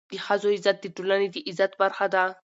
د ښځو عزت د ټولني د عزت برخه ده.